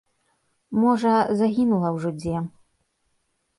Можа, загінула ўжо дзе.